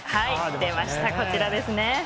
出ました、こちらですね。